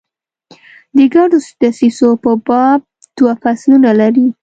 د ګډو دسیسو په باب دوه فصلونه لري.